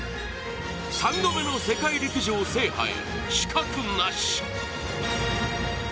３度目の世界陸上制覇へ死角なし！